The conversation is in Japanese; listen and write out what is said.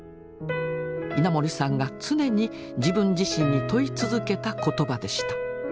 稲盛さんが常に自分自身に問い続けた言葉でした。